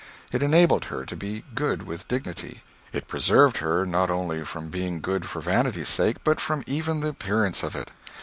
It enabled her to be good with dignity; it preserved her not only from being good for vanity's sake, but from even the appearance of it.